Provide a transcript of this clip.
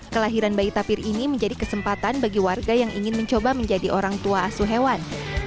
kelahiran bayi tapir ini menjadi kesempatan bagi warga yang ingin mencoba menjadi orang tua asuh hewan